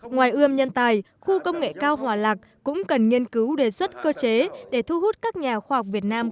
ngoài ươm nhân tài khu công nghệ cao hòa lạc cũng cần nghiên cứu đề xuất cơ chế để thu hút các nhà khoa học việt nam